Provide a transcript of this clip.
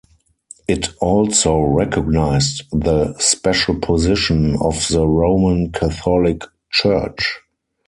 It also recognised the "special position" of the Roman Catholic Church.